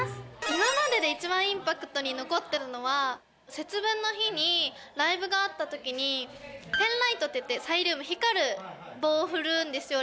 今までで一番インパクトに残ってるのは節分の日にライブがあった時にペンライトっていってサイリウム光る棒を振るんですよ